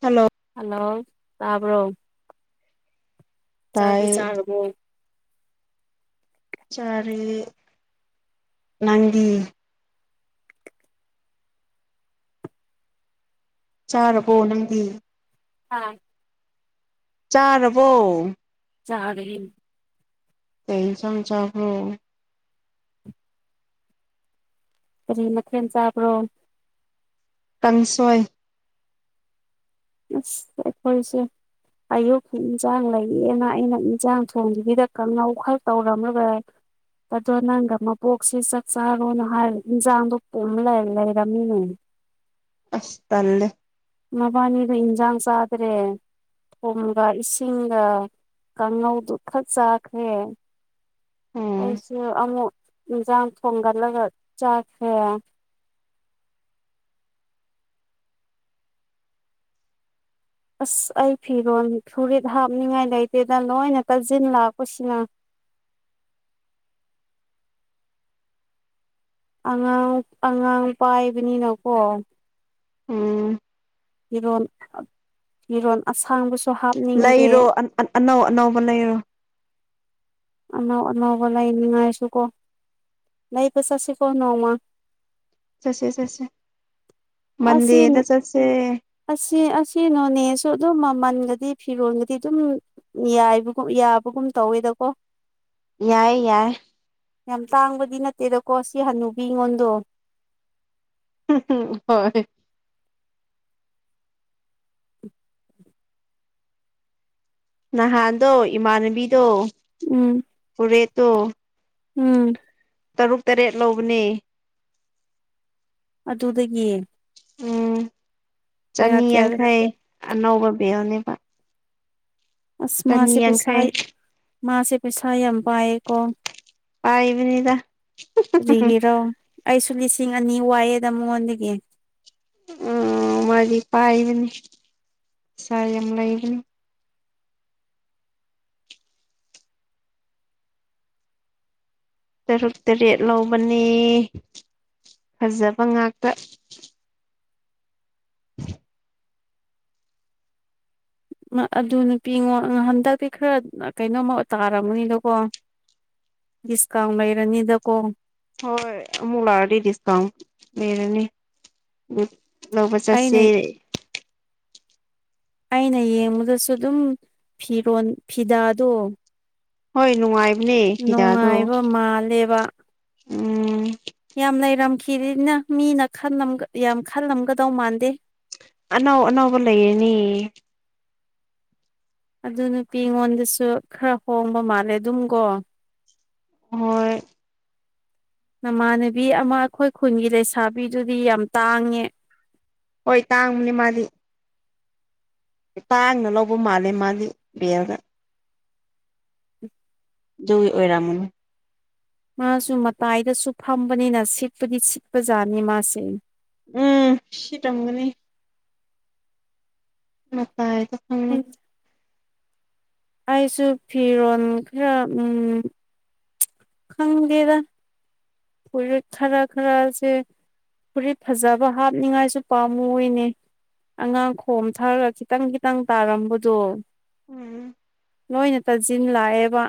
hello hello ꯇꯥꯕ꯭ꯔꯣ ꯇꯥꯏ ꯆꯥꯛꯇꯤ ꯆꯥꯔꯕꯣ ꯆꯥꯔꯦ ꯅꯪꯗꯤ ꯆꯥꯔꯕꯣ ꯅꯪꯗꯤ ꯑꯥ ꯆꯥꯔꯕꯣ ꯆꯥꯔꯦ ꯀꯩ ꯏꯟꯁꯥꯡ ꯆꯥꯕ꯭ꯔꯣ ꯀꯔꯤ ꯃꯊꯦꯜ ꯆꯥꯕ꯭ꯔꯣ ꯀꯪꯁꯣꯏ [unintelligible] ꯑꯌꯨꯛꯀꯤ ꯏꯟꯁꯥꯡ ꯂꯩꯌꯦꯅ ꯑꯩꯅ ꯏꯟꯁꯥꯡ ꯊꯣꯡꯗꯕꯤꯗ ꯀꯪꯍꯧ ꯈꯔ ꯇꯧꯔꯝꯔꯒ ꯑꯗꯣ ꯅꯪꯒ ꯃꯄꯣꯛꯁꯤ ꯆꯥꯛ ꯆꯥꯔꯣꯅ ꯍꯥꯏꯔ ꯏꯟꯖꯥꯡꯗꯣ ꯄꯨꯝ ꯂꯩꯔꯝꯃꯤꯅꯦ ꯑꯁ ꯇꯟꯂꯦ ꯃꯕꯥꯅꯤꯗꯣ ꯏꯟꯖꯥꯡ ꯆꯥꯗ꯭ꯔꯦ ꯊꯨꯝꯒ ꯏꯁꯤꯡꯒ ꯀꯥꯡꯉꯧꯗꯨ ꯈꯔ ꯆꯥꯈ꯭ꯔꯦ ꯎꯝ ꯑꯩꯁꯨ ꯑꯃꯨꯛ ꯏꯟꯁꯥꯡ ꯊꯣꯡꯒꯠꯂꯒ ꯆꯥꯈ꯭ꯔꯦ ꯑꯁ ꯑꯩ ꯐꯤꯔꯣꯟꯜ ꯐꯨꯔꯤꯠ ꯍꯥꯞꯅꯤꯡꯉꯥꯏ ꯂꯩꯇꯦꯗ ꯂꯣꯏꯅ ꯇꯥꯁꯤꯟ ꯂꯥꯛꯄꯁꯤꯅ ꯑꯉꯥꯡ ꯑꯉꯥꯡ ꯄꯥꯏꯕꯅꯤꯅꯀꯣ ꯎꯝ ꯐꯤꯔꯣꯟ ꯐꯤꯔꯣꯟ ꯑꯁꯥꯡꯕꯁꯨ ꯍꯥꯞꯅꯤꯡꯗꯦ ꯂꯩꯔꯣ ꯑꯅꯧ ꯑꯅꯧꯕ ꯂꯩꯔꯣ ꯑꯅꯧ ꯑꯅꯧꯕ ꯂꯩꯅꯤꯡꯉꯥꯏꯁꯨꯀꯣ ꯂꯩꯕ ꯆꯠꯁꯤꯀꯣ ꯅꯣꯡꯃ ꯆꯠꯁꯦ ꯆꯠꯁꯦ ꯑꯁꯤ ꯃꯟꯗꯦꯗ ꯆꯠꯁꯦ ꯑꯁꯤ ꯑꯁꯤ ꯅꯣꯅꯦꯁꯨ ꯑꯗꯨꯝ ꯃꯃꯟꯒꯗꯤ ꯐꯤꯔꯣꯜꯒꯗꯤ ꯑꯗꯨꯝ ꯌꯥꯏꯕꯒ ꯌꯥꯕꯒꯨꯝ ꯇꯧꯋꯦꯗꯀꯣ ꯌꯥꯏ ꯌꯥꯏ ꯌꯥꯝ ꯇꯥꯡꯕꯗꯤ ꯅꯠꯇꯦꯗꯀꯣ ꯁꯤ ꯍꯅꯨꯕꯤ ꯉꯣꯟꯗꯣ [unintelligible] ꯍꯣꯏ ꯅꯍꯥꯟꯗꯣ ꯏꯃꯥꯟꯅꯕꯤꯗꯣ ꯎꯝ ꯄꯨꯔꯦꯠꯇꯣ ꯎꯝ ꯇꯔꯨꯛ ꯇꯔꯦꯠ ꯂꯧꯕꯅꯦ ꯑꯗꯨꯗꯒꯤ ꯎꯝ ꯀꯌꯥ ꯆꯅꯤ ꯀꯌꯥ ꯌꯥꯡꯈꯩ ꯑꯅꯧꯕ ꯄꯤꯕꯅꯦꯕ ꯑꯁ ꯃꯥꯁꯦ ꯄꯩꯁꯥ ꯌꯥꯡꯈꯩ ꯃꯥꯁꯦ ꯄꯩꯁꯥ ꯌꯥꯝ ꯄꯥꯏꯌꯦꯀꯣ ꯄꯥꯏꯕꯅꯤꯗ ꯀꯔꯤꯒꯤꯔꯣ ꯑꯩꯁꯨ ꯂꯤꯁꯤꯡ ꯑꯅꯤ ꯋꯥꯏꯑꯦꯗ ꯃꯉꯣꯟꯗꯒꯤ ꯑꯣ ꯃꯥꯗꯤ ꯄꯥꯏꯕꯅꯤ ꯄꯩꯁꯥ ꯌꯥꯝ ꯂꯩꯕꯅꯤ ꯇꯔꯨꯛ ꯇꯔꯦꯠ ꯂꯧꯕꯅꯦ ꯐꯖꯕ ꯉꯥꯛꯇ ꯑꯗꯨ ꯅꯨꯄꯤ ꯉꯣ ꯍꯟꯗꯛꯇꯤ ꯈꯔ ꯀꯩꯅꯣꯝꯃ ꯇꯥꯔꯝꯃꯅꯤꯗꯀꯣ ꯗꯤꯁꯀꯥꯎꯟ ꯂꯩꯔꯅꯤꯗꯀꯣ ꯍꯣꯏ ꯑꯃꯨꯛ ꯂꯥꯛꯑꯗꯤ ꯗꯤꯁꯀꯥꯎꯟ ꯂꯩꯔꯅꯤ ꯂꯧꯕ ꯆꯠꯁꯦ ꯑꯩꯅ ꯑꯩꯅ ꯌꯦꯡꯕꯗꯁꯨ ꯑꯗꯨꯝ ꯐꯤꯔꯣꯟ ꯐꯤꯗꯥꯗꯣ ꯍꯣꯏ ꯅꯨꯡꯉꯥꯏꯕꯅꯦ ꯐꯤꯗꯥꯗꯣ ꯅꯨꯡꯉꯥꯏꯕ ꯃꯥꯜꯂꯦꯕ ꯎꯝ ꯌꯥꯝ ꯂꯩꯔꯝꯈꯤꯔꯤꯅ ꯃꯤ ꯈꯜꯂꯝꯒ ꯌꯥꯝ ꯈꯜꯂꯝꯒꯗꯧ ꯃꯥꯟꯗꯦ ꯑꯅꯧ ꯑꯅꯧꯕ ꯂꯩꯌꯦꯅꯦ ꯑꯗꯨ ꯅꯨꯄꯤ ꯑꯩꯉꯣꯟꯗꯁꯨ ꯈꯔ ꯍꯣꯡꯕ ꯃꯥꯜꯂꯦ ꯑꯗꯨꯝꯒꯣ ꯍꯣꯏ ꯅꯃꯥꯟꯅꯕꯤ ꯑꯃ ꯑꯩꯈꯣꯏ ꯈꯨꯟꯒꯤ ꯂꯩꯁꯥꯕꯤꯗꯨꯗꯤ ꯌꯥꯝ ꯇꯥꯡꯉꯦ ꯍꯣꯏ ꯇꯥꯡꯕꯅꯦ ꯃꯥꯗꯤ ꯇꯥꯡꯅ ꯂꯧꯕ ꯃꯥꯜꯂꯦ ꯃꯗꯤ ꯕꯦꯜꯗ ꯑꯗꯨꯒꯤ ꯑꯣꯏꯔꯝꯃꯅꯤ ꯃꯥꯁꯨ ꯃꯇꯥꯏꯗꯁꯨ ꯐꯝꯕꯅꯤꯅ ꯁꯤꯠꯄꯗꯤ ꯁꯤꯠꯄꯖꯥꯠꯅꯤ ꯃꯥꯁꯦ ꯎꯝ ꯁꯤ ꯇꯪꯒꯅꯤ ꯃꯇꯥꯏꯗ ꯐꯝ ꯎꯝ [unintelligible] ꯑꯩꯁꯨ ꯐꯤꯔꯣꯜ ꯈꯔꯥ ꯎꯝ ꯈꯪꯗꯦꯗ ꯄꯨꯔꯤꯛ ꯈꯔꯥ ꯈꯔꯥꯁꯦ ꯐꯨꯔꯤꯠ ꯐꯖꯕ ꯍꯥꯞꯅꯤꯡꯉꯥꯏꯁꯨ ꯄꯥꯝꯃꯨꯏꯅꯦ ꯑꯉꯥꯡ ꯈꯣꯝ ꯊꯥꯔꯒ ꯈꯤꯇꯪ ꯈꯤꯇꯪ ꯇꯥꯔꯝꯕꯗꯣ ꯎꯝ ꯅꯣꯏꯅ ꯇꯥꯖꯤꯟ ꯂꯥꯛꯑꯦꯕ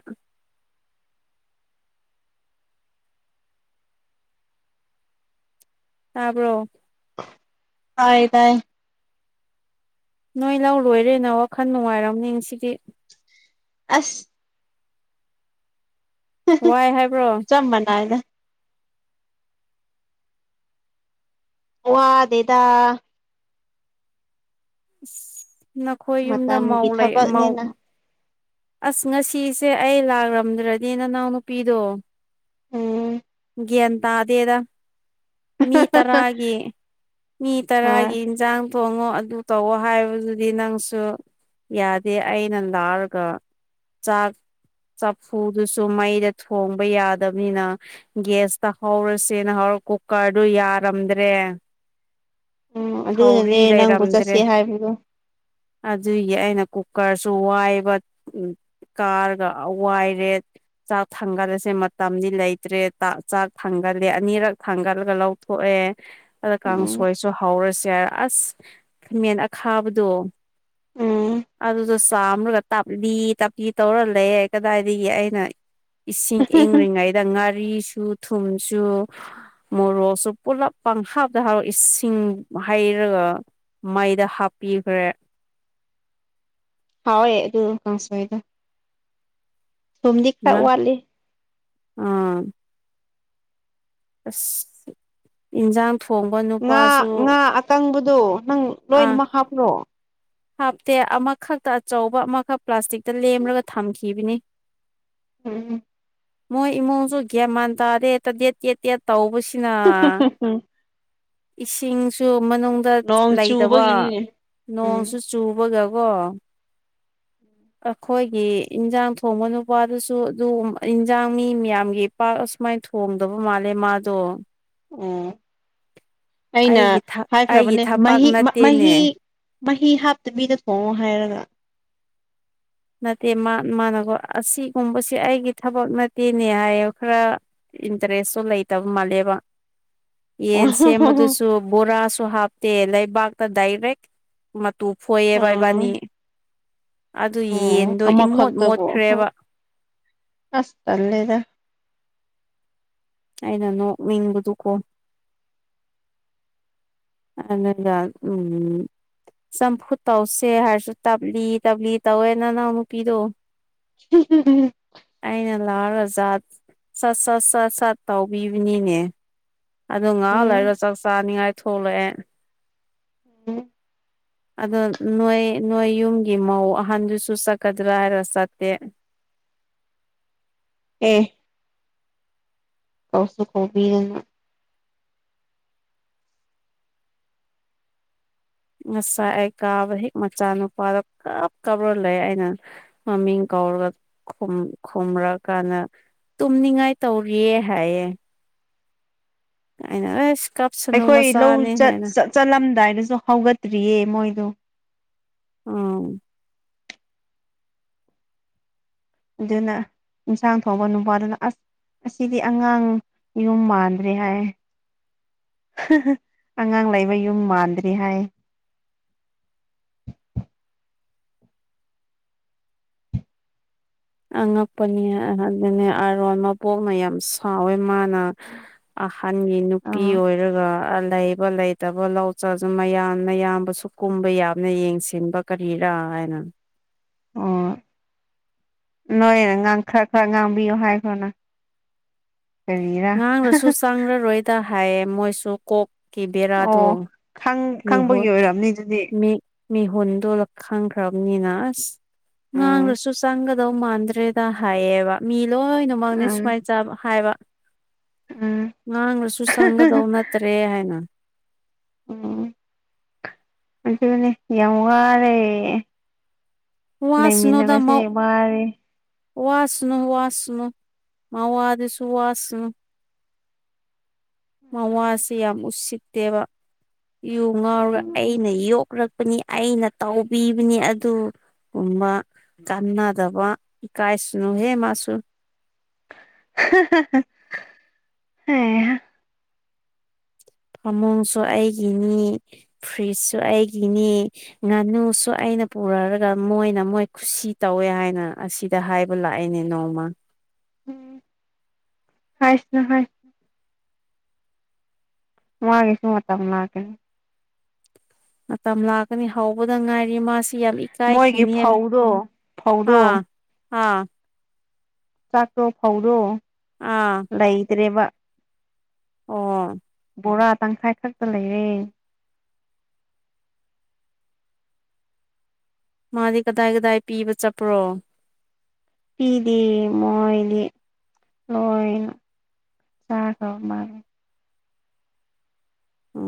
ꯇꯥꯕ꯭ꯔꯣ ꯇꯥꯏꯌꯦ ꯇꯥꯏꯌꯦ ꯅꯣꯏ ꯂꯧ ꯂꯣꯏꯔꯦꯅ ꯋꯥꯈꯜ ꯅꯨꯡꯉꯥꯏꯔꯝꯅꯤ ꯉꯥꯁꯤꯗꯤ ꯑꯁ ꯋꯥꯏ ꯍꯥꯏꯕ꯭ꯔꯣ ꯆꯞ ꯃꯥꯟꯅꯩꯗ ꯋꯥꯗꯦꯗ ꯏꯁ ꯅꯈꯣꯏ ꯌꯨꯝꯗ ꯃꯧ ꯃꯇꯝꯒꯤ ꯂꯩ ꯃꯧ ꯊꯕꯛꯅꯤꯅ ꯑꯁ ꯉꯁꯤꯁꯦ ꯑꯩ ꯂꯥꯛꯔꯝꯗ꯭ꯔꯥꯗꯤ ꯅꯅꯥꯎ ꯅꯨꯄꯤꯗꯣ ꯎꯝ ꯒ꯭ꯌꯥꯟ ꯇꯥꯗꯦꯗ ꯃꯤ ꯇꯔꯥꯒꯤ ꯃꯤ ꯇꯔꯥꯒꯤ ꯍꯣꯏ ꯏꯟꯁꯥꯡ ꯊꯣꯡꯉꯣ ꯑꯗꯨ ꯇꯧꯋꯣ ꯍꯥꯏꯕꯗꯨꯗꯤ ꯅꯪꯁꯨ ꯌꯥꯗꯦ ꯑꯩꯅ ꯂꯥꯛꯑꯒ ꯆꯥꯛ ꯆꯐꯨꯗꯨꯁꯨ ꯃꯩꯗ ꯊꯣꯡꯕ ꯌꯥꯗꯃꯤꯅ ꯒꯤꯌꯥꯁꯇ ꯍꯧꯔꯁꯦꯅ ꯍꯧꯔ ꯀꯨꯀꯔꯗꯨ ꯌꯥꯔꯝꯗ꯭ꯔꯦ ꯎꯝ ꯊꯧꯔꯤ ꯑꯗꯨꯅꯅꯦ ꯅꯪꯕꯨ ꯂꯩꯔꯝꯗ꯭ꯔꯦ ꯆꯠꯁꯦ ꯍꯥꯏꯕꯗꯣ ꯑꯗꯨꯒꯤ ꯑꯩꯅ ꯀꯨꯀꯔꯁꯨ ꯋꯥꯏꯕ ꯎꯝ ꯀꯥꯔꯒ ꯋꯥꯏ ꯔꯦꯠ ꯆꯥꯛ ꯊꯥꯡꯒꯠꯂꯁꯦ ꯃꯇꯝꯗꯤ ꯂꯩꯇ꯭ꯔꯦ ꯇꯥꯛ ꯆꯥꯛ ꯊꯥꯡꯒꯠꯂꯦ ꯑꯅꯤꯔꯛ ꯊꯥꯡꯒꯠꯂꯒ ꯂꯧꯊꯣꯛꯑꯦ ꯑꯗ ꯎꯝ ꯀꯥꯡꯁꯣꯏꯁꯨ ꯍꯧꯔꯁꯦ ꯑꯁ ꯈꯥꯃꯦꯟ ꯑꯈꯥꯕꯗꯣ ꯎꯝ ꯑꯗꯨꯗꯣ ꯆꯥꯝꯔꯒ ꯇꯞꯂꯤ ꯇꯞꯂꯤ ꯇꯧꯔ ꯂꯩꯌꯦ ꯀꯗꯥꯏꯗꯒꯤ ꯑꯩꯅ ꯏꯁꯤꯡ ꯏꯪꯔꯤꯡꯉꯩꯗ ꯉꯥꯔꯤꯁꯨ ꯊꯨꯝꯁꯨ ꯃꯣꯔꯣꯛꯁꯨ ꯄꯨꯂꯞ ꯄꯪꯍꯥꯞꯇ ꯍꯥꯞ ꯏꯁꯤꯡ ꯍꯩꯔꯒ ꯃꯩꯗ ꯍꯥꯞꯄꯤꯒ꯭ꯔꯦ ꯍꯥꯎꯦ ꯑꯗꯨ ꯀꯡꯁꯣꯏꯗ ꯊꯨꯝꯗꯤ ꯈꯔꯥ ꯉꯥ ꯋꯥꯠꯂꯤ ꯑꯥ ꯑꯁ ꯏꯟꯖꯥꯡ ꯊꯣꯡꯕ ꯅꯨꯄꯥꯁꯨ ꯀꯪꯕꯗꯣ ꯅꯪ ꯑꯥ ꯂꯣꯏꯅꯃꯛ ꯍꯥꯞꯄ꯭ꯔꯣ ꯍꯥꯞꯇꯦ ꯑꯃꯥꯈꯛꯀ ꯑꯆꯧꯕ ꯑꯃꯥꯈꯛ ꯄ꯭ꯂꯥꯁꯇꯤꯛꯇ ꯂꯦꯝꯂꯒ ꯊꯝꯈꯤꯕꯅꯤ ꯎꯝ [unintelligible] ꯃꯣꯏ ꯏꯃꯨꯡꯁꯨ ꯒ꯭ꯌꯥ ꯃꯥꯟ ꯇꯥꯔꯦ ꯇꯦꯠ ꯇꯦꯠ ꯇꯦ ꯇꯧꯕꯁꯤꯅ ꯏꯁꯤꯡꯁꯨ ꯃꯅꯨꯡ ꯅꯣꯡ ꯂꯩꯗꯕ ꯆꯨꯕꯒꯤꯅꯤꯅꯦ ꯅꯣꯡꯁꯨ ꯎꯝ ꯆꯨꯕꯒꯀꯣ [inaudible] ꯑꯩꯈꯣꯏꯒꯤ ꯏꯟꯖꯥꯡ ꯊꯣꯡꯕ ꯅꯨꯄꯥꯗꯨꯁꯨ ꯑꯗꯨ ꯏꯟꯖꯥꯡ ꯃꯤ ꯃꯌꯥꯝꯒꯤ ꯄꯥꯛ ꯑꯁꯨꯃꯥꯏ ꯊꯣꯡꯗꯕ ꯃꯥꯜꯂꯦ ꯃꯥꯗꯣ ꯑꯣ ꯑꯩꯅ ꯑꯩꯒꯤ ꯑꯩꯒꯤ ꯍꯥꯏꯈ꯭ꯔꯕꯅꯦ ꯊꯕꯛ ꯃꯍꯤ ꯃ ꯅꯠꯇꯦꯅꯦ ꯃꯍꯤ ꯃꯍꯤ ꯍꯥꯞꯇꯕꯤꯗ ꯊꯣꯡꯉꯣ ꯍꯥꯏꯔꯒ ꯅꯠꯇꯦ ꯃꯥ ꯃꯥꯅꯒꯣ ꯑꯁꯤꯒꯨꯝꯕꯁꯦ ꯑꯩꯒꯤ ꯊꯕꯛ ꯅꯠꯇꯦꯅꯦ ꯍꯥꯏꯌꯦ ꯈꯔ ꯏꯟꯇꯔꯦꯁꯣ ꯂꯩꯇꯕ ꯃꯥꯜꯂꯦꯕ ꯌꯦꯟ ꯁꯦꯝꯕꯗꯨꯁꯨ ꯕꯣꯔꯥꯁꯨ ꯍꯥꯞꯇꯦ ꯂꯩꯕꯥꯛꯇ ꯗꯥꯏꯔꯦꯛ ꯃꯥꯇꯨ ꯐꯣꯏꯌꯦ ꯑꯣ ꯏꯕꯥꯅꯤ ꯑꯗꯨ ꯑꯣ ꯌꯦꯟꯗꯣ ꯏꯃꯣꯠ ꯑꯃꯈꯛꯇꯕꯨ ꯃꯣꯠꯈ꯭ꯔꯦꯕ ꯑꯁ ꯇꯜꯂꯦꯗ ꯑꯩꯅꯥ ꯅꯣꯛꯅꯤꯡꯕꯗꯨ ꯀꯣ ꯎꯝ ꯆꯝꯐꯨꯠ ꯇꯧꯁꯦ ꯍꯥꯏꯔꯁꯨ ꯇꯞꯂꯤ ꯇꯞꯂꯤ ꯇꯧꯋꯦ ꯅꯅꯥꯎꯅꯨꯄꯤꯗꯣ [unintelligible] ꯑꯩꯅ ꯂꯥꯛꯔꯖꯥꯠ ꯁꯠ ꯁꯠ ꯁꯠ ꯁꯠ ꯇꯧꯕꯤꯕꯅꯤꯅꯦ ꯑꯗꯣ ꯉꯥꯏꯍꯥꯛ ꯎꯝ ꯂꯩꯒ ꯆꯥꯛ ꯆꯥꯅꯤꯡꯉꯥꯏ ꯊꯣꯛꯂꯛꯑꯦ ꯎꯝ ꯑꯗꯣ ꯅꯣꯏ ꯅꯣꯏ ꯌꯨꯝꯒꯤ ꯃꯧ ꯑꯍꯟꯗꯨꯁꯨ ꯆꯠꯀꯗ꯭ꯔꯥ ꯍꯥꯏꯔ ꯆꯠꯇꯦ ꯑꯦ ꯀꯧꯁꯨ ꯀꯧꯕꯤꯗꯅ ꯉꯁꯥꯏ ꯑꯩ ꯀꯥꯕ ꯍꯦꯛ ꯃꯆꯥꯅꯨꯄꯥꯗ ꯀꯞ ꯀꯥꯞꯔ ꯂꯩ ꯑꯩꯅ ꯃꯃꯤꯡ ꯀꯧꯔꯒ ꯈꯨꯝ ꯈꯨꯝꯔ ꯀꯥꯟꯗ ꯇꯨꯝꯅꯤꯡꯉꯥꯏ ꯇꯧꯔꯤꯌꯦ ꯍꯥꯏꯌꯦ ꯑꯩꯅꯥ ꯑꯦꯁ ꯀꯞ ꯑꯩꯈꯣꯏ ꯂꯧ ꯆꯠ ꯆꯠꯂꯝꯗꯥꯏꯗꯁꯨ ꯍꯧꯒꯠꯇ꯭ꯔꯤꯌꯦ ꯃꯣꯏꯗꯣ ꯑꯣ... ꯑꯗꯨꯅ ꯏꯟꯁꯥꯡ ꯊꯣꯡꯕ ꯅꯨꯄꯥꯗꯨꯅ ꯑꯁ ꯑꯁꯤꯗꯤ ꯑꯉꯥꯡ ꯌꯨꯝ ꯃꯥꯟꯗ꯭ꯔꯦ ꯍꯥꯏ ꯑꯉꯥꯡ ꯂꯩꯕ ꯌꯨꯝ ꯃꯥꯟꯗ꯭ꯔꯦ ꯍꯥꯏꯌꯦ ꯑꯉꯛꯄꯅꯤ ꯑꯗꯨꯅꯦ ꯑꯔꯣꯟ ꯃꯕꯣꯛꯅ ꯌꯥꯝ ꯁꯥꯎꯋꯦ ꯃꯥꯅ ꯑꯍꯟꯒꯤ ꯅꯨꯄꯤ ꯑꯥ ꯑꯣꯏꯔꯒ ꯂꯥꯩ ꯂꯩꯇꯕ ꯂꯧ ꯆꯁꯨ ꯃꯌꯥꯝꯅꯌꯥꯝꯕꯁꯨ ꯀꯨꯝꯕ ꯌꯥꯝꯅ ꯌꯦꯡꯁꯤꯟꯕ ꯀꯔꯤꯔꯥ ꯍꯥꯏꯅ ꯑꯣ... ꯅꯣꯏꯅ ꯉꯥꯡ ꯈꯔ ꯈꯔ ꯉꯥꯡꯕꯤꯌꯣ ꯍꯥꯏꯈ꯭ꯔꯣꯅ ꯀꯔꯤꯔꯥ ꯉꯥꯡꯔꯁꯨ ꯆꯥꯡꯔꯔꯣꯏꯗ ꯍꯥꯏꯌꯦ ꯃꯣꯏꯁꯨ ꯀꯣꯛꯀꯤ ꯕꯦꯔꯥꯗꯣ ꯑꯣ ꯈꯪ ꯃꯤꯍꯣ ꯈꯪꯕꯒꯤ ꯑꯣꯏꯔꯝꯅꯤ ꯑꯗꯨꯗꯤ ꯃꯤ ꯃꯤꯍꯨꯟꯜꯗꯣ ꯈꯪꯈ꯭ꯔꯕꯅꯤꯅ ꯑꯁ ꯎꯝ ꯉꯥꯡꯂꯁꯨ ꯆꯪꯒꯗꯧ ꯃꯥꯟꯗ꯭ꯔꯦꯗ ꯍꯥꯏꯌꯦꯕ ꯃꯤ ꯂꯣꯏꯅ ꯥꯃꯥꯅꯦ ꯎꯝ ꯁꯨꯃꯥꯏ ꯆꯥꯕ ꯍꯥꯏꯕ ꯎꯝ ꯉꯥꯡꯂꯁꯨ ꯆꯪꯒꯗꯧ ꯅꯠ ꯇ꯭ꯔꯦ ꯍꯥꯏꯅ ꯎꯝ ꯑꯗꯨꯅꯦ ꯌꯥꯝ ꯋꯥꯔꯦ ꯂꯩꯃꯤꯟꯅꯕꯁꯦ ꯋꯥꯔꯦ ꯋꯥꯥꯁꯅꯨ ꯋꯥꯥꯁꯅꯨ ꯃꯋꯥꯗꯨꯁꯨ ꯋꯥꯥꯁꯅꯨ ꯎꯝ ꯃꯋꯥꯁꯦ ꯌꯥꯝ ꯎꯁꯤꯠꯇꯦꯕ ꯌꯨ ꯉꯥꯎꯔꯒ ꯑꯩꯅ ꯌꯣꯛꯂꯛꯄꯅꯤ ꯑꯩꯅ ꯇꯥꯎꯕꯤꯕꯅꯤ ꯑꯗꯨ ꯨꯒꯨꯝꯕ ꯀꯥꯟꯅꯗꯕ ꯏꯀꯥꯏꯁꯅꯨꯍꯦ ꯃꯥꯁꯨ [unintelligible] ꯎꯝ ꯐꯃꯨꯡꯁꯨ ꯑꯩꯒꯤꯅꯤ ꯐ꯭ꯔꯤꯖꯁꯨ ꯑꯩꯒꯤꯅꯤ ꯉꯥꯅꯨꯁꯨ ꯑꯩꯅ ꯄꯨꯔꯔꯒ ꯃꯣꯏꯅ ꯃꯣꯏ ꯈꯨꯁꯤ ꯇꯧꯋꯦ ꯍꯥꯏꯅ ꯑꯁꯤ ꯁꯤꯗ ꯍꯥꯏꯕ ꯂꯥꯛꯏꯅꯦ ꯅꯣꯡꯃ ꯍꯥꯏꯁꯅ ꯍꯥꯏ ꯃꯥꯒꯤꯁꯨ ꯃꯇꯝ ꯂꯥꯛꯈꯤꯅꯤ ꯃꯇꯝ ꯂꯥꯛꯀꯅꯤ ꯍꯧꯕꯗ ꯉꯥꯏꯔꯤ ꯃꯥꯁꯤ ꯌꯥꯝ ꯃꯣꯏꯒꯤ ꯆꯥꯏꯁꯤꯅꯤ ꯍꯦ ꯐꯧꯗꯣ ꯐꯧꯗꯣ ꯑꯥ ꯑꯥ ꯆꯥꯛꯇꯣ ꯐꯧꯔꯣ ꯑꯥ ꯂꯩ ꯂꯩꯗ꯭ꯔꯦꯕ ꯑꯣ ꯕꯣꯔꯥ ꯇꯪꯈꯥꯏ ꯈꯛꯇ ꯂꯩꯔꯦ ꯃꯥꯗꯤ ꯀꯗꯥꯏ ꯀꯗꯥꯏ ꯄꯤꯕ ꯆꯠꯄ꯭ꯔꯣ ꯄꯤꯗꯤ ꯃꯣꯏꯗꯤ ꯂꯣꯏꯅ ꯆꯥꯈ꯭ꯔꯕ ꯃꯥꯂ ꯑ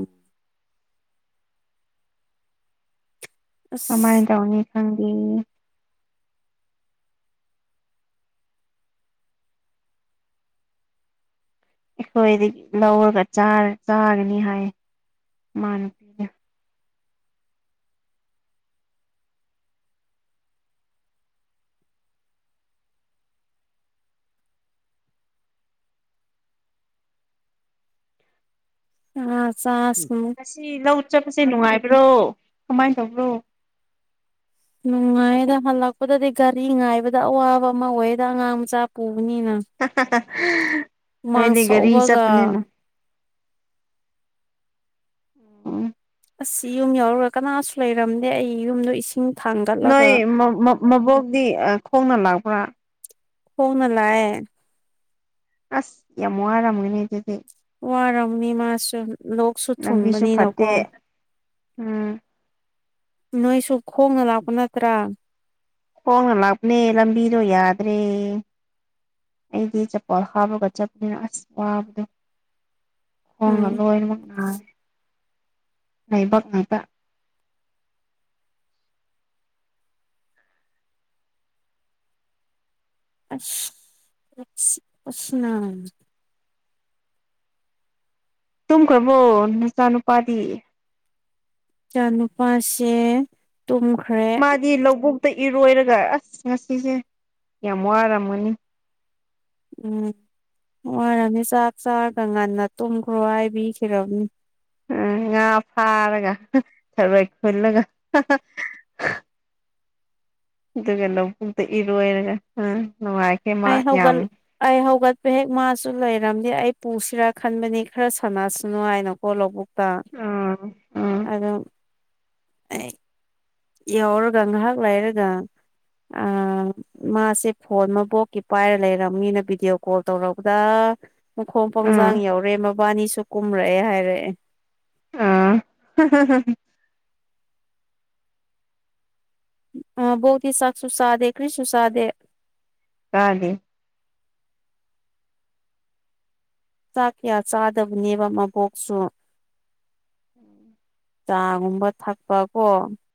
ꯀꯃꯥꯏꯅ ꯑꯁ ꯇꯧꯅꯤ ꯈꯪꯗꯦ ꯑꯩꯈꯣꯏꯗꯒꯤ ꯂꯧꯔꯒ ꯆꯥꯒꯅꯤ ꯍꯥꯏ ꯃꯥꯅꯤ ꯑ ꯆꯥꯁꯅꯨ ꯑꯁꯤ ꯂꯧ ꯆꯠꯄꯁꯦ ꯅꯨꯡꯉꯥꯏꯕ꯭ꯔꯣ ꯀꯃꯥꯏꯅ ꯇꯧꯕ꯭ꯔꯣ ꯅꯨꯡꯉꯥꯏꯗ ꯍꯜꯂꯛꯄꯗꯗꯤ ꯒꯥꯔꯤ ꯉꯥꯏꯕꯗ ꯑꯋꯥꯕ ꯑꯃ ꯑꯣꯏꯌꯦꯦꯗ ꯑꯉꯥꯡ ꯃꯆꯥ ꯄꯨꯕꯅꯤꯅ ꯍꯨꯃꯥꯡ ꯁꯧꯕꯒ [unintelligible] ꯎꯝ ꯑꯁ ꯌꯨꯝ ꯌꯥꯎꯔꯨꯔ ꯀꯅꯥꯁꯨ ꯂꯩꯔꯝꯗꯦ ꯑꯩ ꯌꯨꯝꯗꯣ ꯏꯁꯤꯡ ꯅꯣꯏ ꯊꯥꯡꯒꯠꯂꯒ ꯃꯕꯣꯛꯗꯤ ꯈꯣꯡꯅ ꯂꯥꯛꯄ꯭ꯔꯥ ꯈꯣꯡꯅ ꯂꯥꯛ ꯑꯦ ꯑꯁ ꯌꯥꯝ ꯋꯔꯝꯒꯅꯤ ꯑꯗꯨꯗꯤ ꯋꯥꯔꯝꯅꯤ ꯃꯥꯁꯨ ꯂꯣꯛꯁꯨ ꯂꯝꯕꯤꯁꯨ ꯊꯨꯡꯕꯅꯤꯅꯀꯣ ꯐꯠꯇꯦ ꯎꯝ ꯅꯣꯏꯁꯨ ꯈꯣꯡꯅ ꯂꯥꯛꯄ ꯅꯠꯇ꯭ꯔꯥ ꯍꯣꯡꯅ ꯂꯥꯛꯞꯅꯦ ꯂꯝꯕꯤꯗꯣ ꯌꯥꯗ꯭ꯔꯦ ꯑꯩꯗꯤ ꯆꯄꯣꯠ ꯍꯥꯞꯄꯒ ꯆꯠꯄꯅꯤꯅ ꯑꯁ ꯋꯥꯕꯗꯣ ꯎꯝ ꯈꯣꯡꯉ ꯂꯣꯏꯅꯃꯛ ꯅꯥꯥꯏꯔꯦ ꯂꯩꯥꯏꯕꯛ ꯉꯥꯛꯇ ꯑꯁ ꯎꯁꯅꯝ [unintelligible] ꯇꯨꯝꯈ꯭ꯔꯕꯣ ꯅꯆꯥ ꯅꯨꯄꯥꯗꯤ ꯏꯆꯥ ꯅꯨꯨꯄꯥꯁꯦ ꯇꯨꯝꯈ꯭ꯔꯦ ꯃꯥꯗꯤ ꯂꯧꯕꯨꯛꯇ ꯏꯔꯣꯏꯔꯒ ꯑꯁ ꯉꯁꯤꯁꯦ ꯌꯥꯝ ꯋꯥꯔꯝꯃꯅꯤ ꯎꯝ ꯋꯥꯔꯅꯤ ꯆꯥꯛ ꯆꯥꯔꯒ ꯉꯟꯅ ꯇꯨꯝꯈ꯭ꯔꯣ ꯍꯥꯏꯕꯤꯈꯝꯅꯤ ꯎꯝ ꯉꯥ ꯐꯥꯔꯒ ꯊꯔꯣꯏ ꯈꯨꯜꯂꯒ ꯑꯗꯨꯒ ꯂꯧꯕꯨꯛꯇ ꯏꯔꯣꯏꯔꯒ ꯅꯨꯡꯉꯥꯏ ꯑ ꯍꯧꯒꯜ ꯑꯩ ꯍꯧꯒꯠꯄ ꯍꯦꯛ ꯃꯥꯁꯨ ꯂꯩꯔꯝꯅꯤ ꯑꯩ ꯄꯨꯁꯤꯔꯥ ꯈꯟꯕꯅꯤ ꯈꯔ ꯁꯥꯟꯅꯁꯅꯨ ꯍꯥꯏꯅꯣ ꯍꯂꯧꯕꯨꯛꯇ ꯑꯥ ꯎꯝ ꯑꯗꯣ [inaudible] ꯌꯥꯎꯔꯒ ꯉꯥꯏꯍꯥꯛ ꯂꯥꯏꯔꯒ ꯑ ꯃꯥꯁꯦ ꯐꯣꯟ ꯃꯕꯣꯛꯀꯤ ꯄꯥꯏꯔ ꯂꯩꯔꯕꯝꯅꯤꯅ ꯚꯤꯗꯤꯑꯣ ꯀꯣꯜ ꯇꯧꯔꯛꯄꯗ ꯃꯈꯣꯡ ꯎꯝ ꯄꯪꯖꯥꯡ ꯌꯧꯔꯦ ꯃꯕꯥꯅꯤꯁꯨ ꯀꯨꯝꯔꯛꯑꯦ ꯍꯥꯏꯔꯛꯑꯦ ꯑ ꯃꯕꯣꯛꯇꯤ ꯆꯥꯛꯁꯨ ꯆꯗꯦ ꯀ꯭ꯔꯤꯁꯨ ꯆꯗꯦ ꯇꯗꯦ ꯆꯥꯛ ꯀꯌꯥ ꯆꯥꯗꯕꯅꯦꯕ ꯃꯕꯣꯛꯁꯨ ꯎꯝ ꯆꯥꯒꯨꯝꯕ ꯊꯛꯄ ꯀꯣ